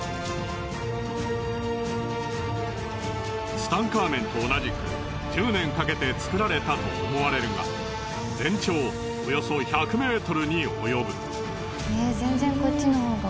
ツタンカーメンと同じく１０年かけて造られたと思われるが全長およそ１００ｍに及ぶ。